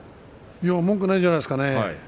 文句ないんじゃないですか。